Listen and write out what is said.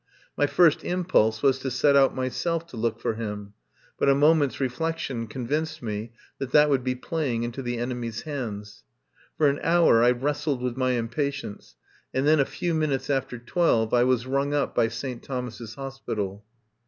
My first impulse was to set out myself to look for him, but a moment's re flection convinced me that that would be play ing into the enemy's hands. For an hour I wrestled with my impatience, and then a few minutes after twelve I was rung up by St. Thomas's Hospital.